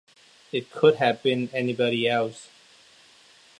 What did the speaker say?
It could have been anybody else.